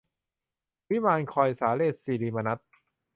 วิมานคอย - สาเรส ศิระมนัส